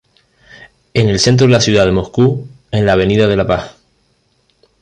En el centro de la ciudad de Moscú, en la "Avenida de la Paz".